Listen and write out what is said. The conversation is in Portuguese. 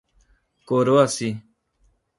Coroaci